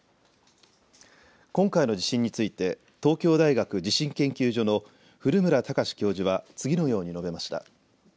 今回の地震について東京大学地震研究所の古村孝志教授は次のように述べました。